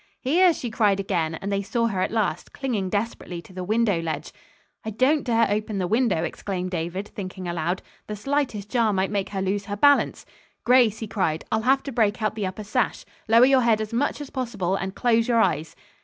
"Here," she cried again, and they saw her at last, clinging desperately to the window ledge. "I don't dare open the window," exclaimed David, thinking aloud. "The slightest jar might make her lose her balance. Grace," he cried, "I'll have to break out the upper sash. Lower your head as much as possible and close your eyes."